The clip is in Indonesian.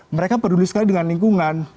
mereka peduli sekali dengan lingkungan